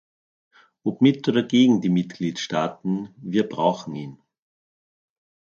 Ob mit oder gegen die Mitgliedstaaten, wir brauchen ihn.